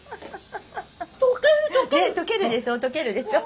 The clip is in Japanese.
とけるでしょとけるでしょ。